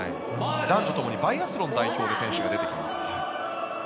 男女ともにバイアスロンで選手が出てきます。